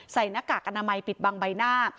หน้ากากอนามัยปิดบังใบหน้า